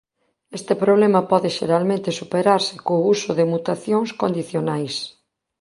Este problema pode xeralmente superarse co uso de mutacións condicionais.